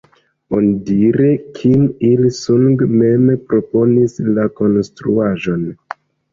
Onidire Kim Il-sung mem proponis la konstruaĵon.